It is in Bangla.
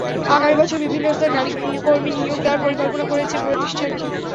আগামী বছর বিভিন্ন স্তরে নারী কর্মী নিয়োগ দেওয়ার পরিকল্পনা করছে প্রতিষ্ঠানটি।